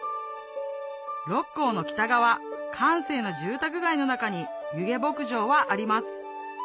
六甲の北側閑静な住宅街の中に弓削牧場はあります